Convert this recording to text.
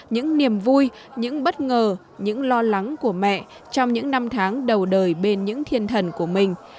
những niềm vui những bất ngờ những lo lắng của mẹ trong những năm tháng đầu đời bên những thiên thần của mình